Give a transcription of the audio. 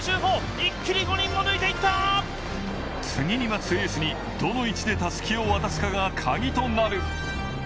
次に待つエースにどの位置でたすきを渡すかがカギとなる。